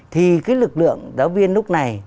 thì cái lực lượng giáo viên lúc này